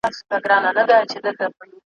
مشورتي دندې